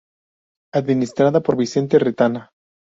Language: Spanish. Administrada por Vicente Retana.